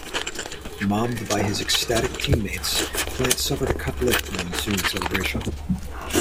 Mobbed by his ecstatic teammates, Plante suffered a cut lip in the ensuing celebration.